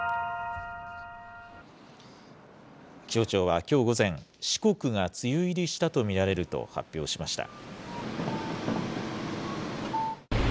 気象庁はきょう午前、四国が梅雨入りしたと見られると発表しました。